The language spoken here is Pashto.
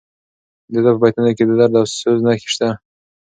د ده په بیتونو کې د درد او سوز نښې شته.